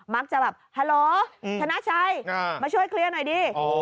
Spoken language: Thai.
มักจะแบบฮัลโหลชนะชัยมาช่วยเคลียดหน่อยดิ